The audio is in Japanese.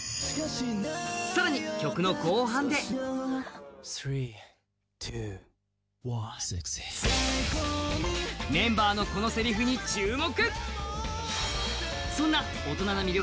更に曲の後半でメンバーのこのせりふに注目！